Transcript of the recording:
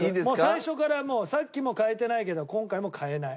最初からもうさっきも変えてないけど今回も変えない。